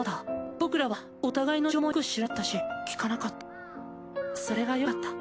僕らはお互いの事情もよく知らなかったし聞かなかったそれがよかった。